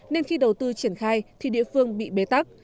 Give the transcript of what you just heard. nên khi đầu tư triển khai thì địa phương bị bế tắc